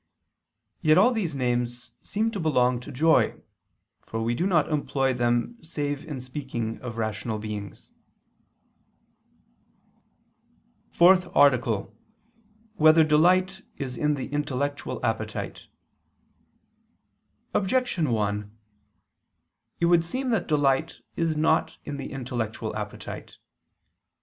Yet all these names seem to belong to joy; for we do not employ them save in speaking of rational beings. ________________________ FOURTH ARTICLE [I II, Q. 31, Art. 4] Whether Delight Is in the Intellectual Appetite? Objection 1: It would seem that delight is not in the intellectual appetite.